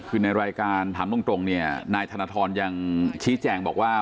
คือในรายการถามตรงนายธนทรอย่างชี้แจ่งบอกว่า